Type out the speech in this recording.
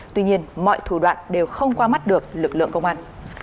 tuy nhiên mọi thủ đoạn đều không qua mắt được lực lượng công an